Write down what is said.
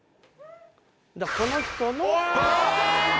この人の。